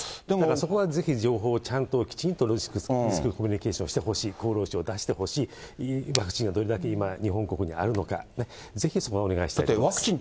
だからそこはぜひ情報をちゃんときちんとリスクコミュニケーションしてほしい、厚労省も出してほしい、ワクチンが今どれだけ日本国にあるのか、ぜひそこはお願いしたいと思います。